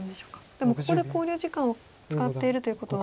でもここで考慮時間を使っているということは。